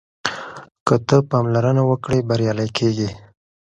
که ته پاملرنه وکړې بریالی کېږې.